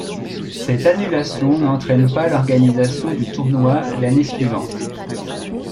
Cette annulation n'entraîne pas l'organisation du tournoi l'année suivante.